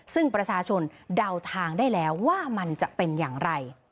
ซึ่งประชาชนเดาทางได้แล้วว่ามันจะเป็นอย่างไร